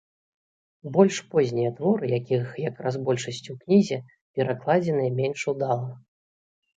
Больш познія творы, якіх якраз большасць у кнізе, перакладзеныя менш удала.